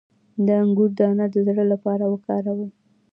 د انګور دانه د زړه لپاره وکاروئ